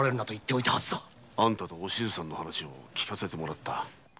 あんたとおしずさんの話を聞かせてもらった。